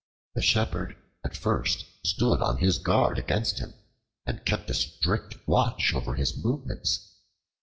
The Shepherd at first stood on his guard against him, as against an enemy, and kept a strict watch over his movements.